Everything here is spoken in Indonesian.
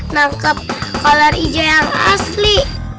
nangkep kolor ijo yang asli